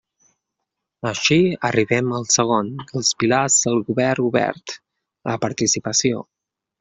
Així arribem al segon dels pilars del govern obert: la participació.